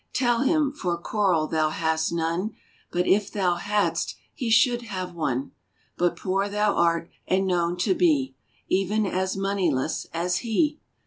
Tell Him, for coral thou hast none; But if thou hadst, He should have one; But poor thou art, and known to be Even as moneyless, as He.